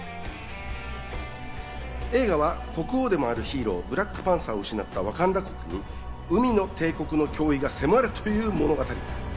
映画は国王でもあるヒーロー、ブラックパンサーを失ったワカンダ国に海の帝国の脅威が迫るという物語。